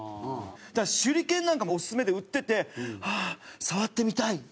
だから手裏剣なんかもオススメで売っててああー触ってみたい。